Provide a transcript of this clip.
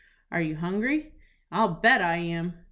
"Are you hungry?" "I'll bet I am."